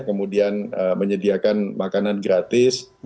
kemudian menyediakan makanan gratis